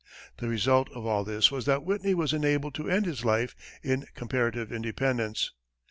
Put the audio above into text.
The result of all this was that Whitney was enabled to end his life in comparative independence.